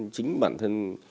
chính bản thân